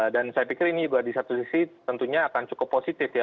dan saya pikir ini juga di satu sisi tentunya akan cukup positif ya